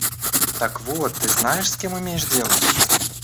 Так вот, ты знаешь, с кем имеешь дело.